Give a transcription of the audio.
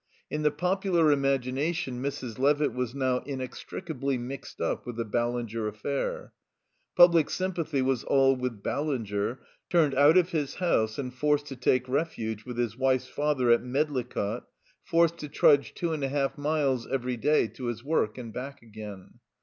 In the popular imagination Mrs. Levitt was now inextricably mixed up with the Ballinger affair. Public sympathy was all with Ballinger, turned out of his house and forced to take refuge with his wife's father at Medlicott, forced to trudge two and a half miles every day to his work and back again.